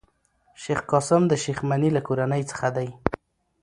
شېخ قاسم د شېخ مني له کورنۍ څخه دﺉ.